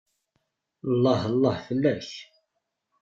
Llah llah fell-ak!